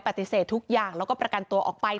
ปฏิเสธทุกอย่างแล้วก็ประกันตัวออกไป